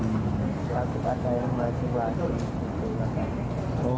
tapi tak ada yang masih masuk